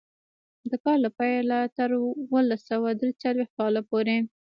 د کار له پیله تر اوولس سوه درې څلوېښت کاله پورې.